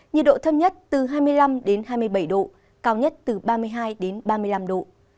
nhiệt độ thâm nhất từ hai mươi năm đến hai mươi bảy độ cao nhất từ ba mươi hai đến ba mươi ba độ